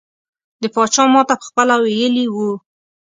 د پاچا ماته پخپله ویلي وو.